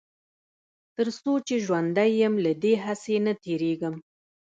تر څو چې ژوندی يم له دې هڅې نه تېرېږم.